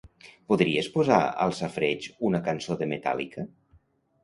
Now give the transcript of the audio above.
Podries posar al safareig una cançó de Metallica?